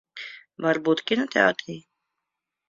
Varbūt kinoteātrī?